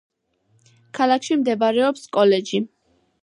ქალაქში მდებარეობს კოლეჯი.